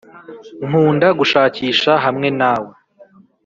nkunda gushakisha hamwe nawe